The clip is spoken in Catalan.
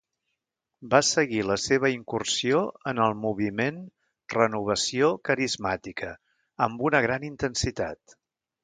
Va seguir la seva incursió en el Moviment Renovació Carismàtica amb una gran intensitat.